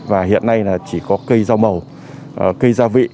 và hiện nay là chỉ có cây rau màu cây gia vị